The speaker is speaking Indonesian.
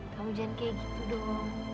kamu jangan kayak gitu dong